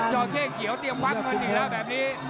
โจงเซ่เขียวเตรียมวัดกันอย่างนี้